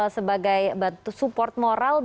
sebagai support moral